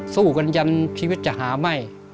สู้กันยันชีวิตจะหาไม่